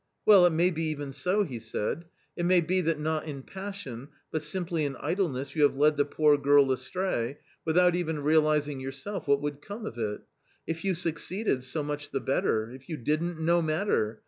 "Well, it may be even so !" he said ;" it may be that not in passion but simply in idleness you have led the poor girl astray, without even realising yourself what would come of it ; if you succeeded, so much the better — if you didn't, no matter